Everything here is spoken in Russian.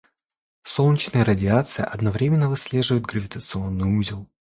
Солнечная радиация одномерно выслеживает гравитационный узел.